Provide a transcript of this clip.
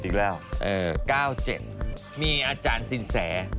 อีกแล้ว๙๗มีอาจารย์สินแส